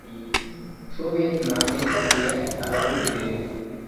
Soviet நாட்டைப் பற்றிய தகவல் இது.